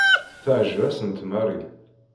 Teɛjeb-asent Mary.